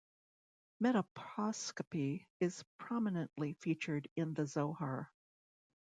Metoposcopy is prominently featured in the Zohar.